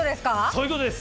そういうことです！